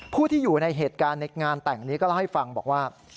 ผู้ที่อยู่ในเหตุการณ์ในงานแต่งนี้ก็เล่าให้ฟังบอกว่า